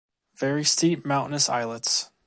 Very steep mountainous islets.